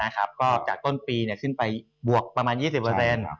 ก็จากต้นปีขึ้นไปบวกประมาณ๒๐เปอร์เซ็นต์